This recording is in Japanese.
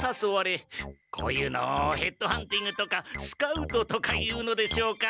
こういうのをヘッドハンティングとかスカウトとか言うのでしょうか。